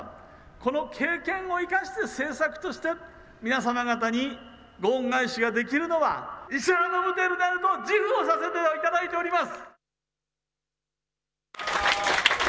この経験を生かして政策として、皆様方にご恩返しができるのは、石原伸晃であると自負をさせていただいております。